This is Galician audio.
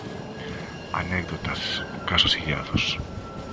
Anécdotas, casos illados.